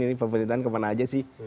ini pemerintahan kemana aja sih